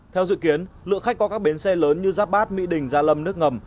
theo dự kiến lượng khách qua các bến xe lớn như giáp bát mỹ đình gia lâm nước ngầm